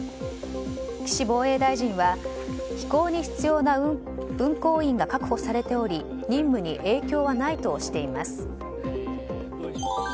岸防衛大臣は飛行に必要な運航員が確保されており任務に影響はないとしています。